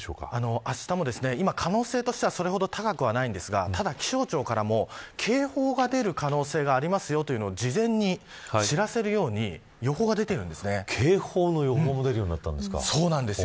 あしたも可能性としてはそれほど高くないんですが気象庁からも警報が出る可能性がありますよと事前に知らせるように予報が警報の予報もそうなんですよ。